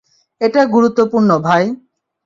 এটা গুরুত্বপূর্ণ, ভাই।